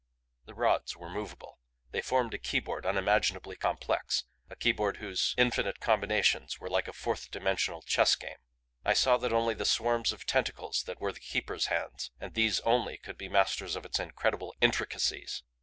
The rods were movable; they formed a keyboard unimaginably complex; a keyboard whose infinite combinations were like a Fourth Dimensional chess game. I saw that only the swarms of tentacles that were the Keeper's hands and these only could be masters of its incredible intricacies.